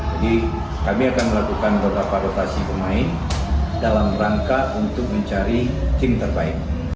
jadi kami akan melakukan beberapa rotasi pemain dalam rangka untuk mencari tim terbaik